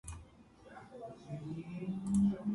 სწავლობდა ოქსფორდის უნივერსიტეტში.